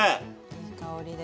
いい香りで。